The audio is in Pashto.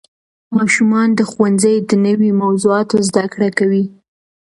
ماشومان د ښوونځي د نوې موضوعاتو زده کړه کوي